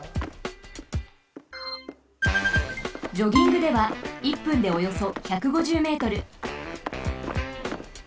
ジョギングでは１分でおよそ１５０ｍ。